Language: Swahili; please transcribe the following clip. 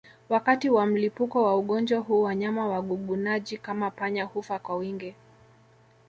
Wakati wa mlipuko wa ugonjwa huu wanyama wagugunaji kama panya hufa kwa wingi